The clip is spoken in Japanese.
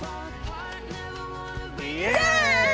イエイ！